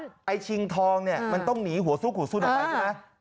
คือไอ้ชิงทองเนี่ยมันต้องหนีหัวซุกหัวซุนออกไปนะ